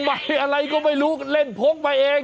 ไมค์อะไรก็ไม่รู้เล่นโพกไปเอง